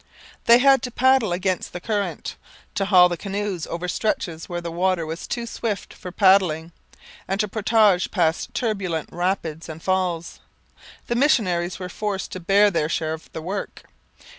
They had to paddle against the current, to haul the canoes over stretches where the water was too swift for paddling, and to portage past turbulent rapids and falls. The missionaries were forced to bear their share of the work.